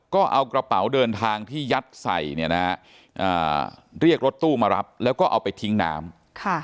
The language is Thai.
ก็เอากระเป๋าเดินทางที่ยัดใส่เนี่ยนะฮะเรียกรถตู้มารับแล้วก็เอาไปทิ้งน้ำ